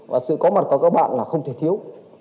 và sự có mặt của các bạn là không thể thiếu